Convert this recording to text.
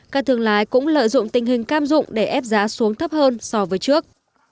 các thương lái cũng lợi dụng tình hình cam dụng để ép giá xuống thấp hơn so với trước